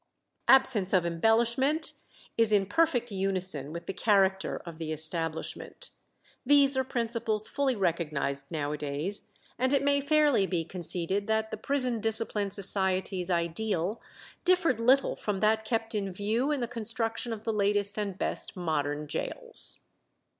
Absence of embellishment is in perfect unison with the character of the establishment. These are principles fully recognized now a days, and it may fairly be conceded that the Prison Discipline Society's ideal differed little from that kept in view in the construction of the latest and best modern gaols.